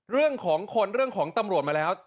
เรื่องของคนเรื่องของตำรวจมาแล้ว